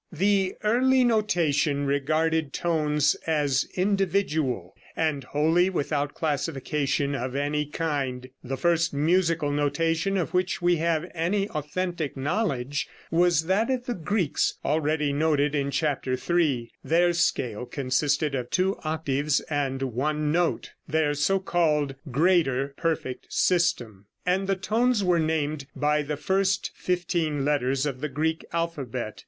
The early notation regarded tones as individual, and wholly without classification of any kind. The first musical notation of which we have any authentic knowledge was that of the Greeks already noted in chapter III. Their scale consisted of two octaves and one note, their so called "greater perfect system," and the tones were named by the first fifteen letters of the Greek alphabet.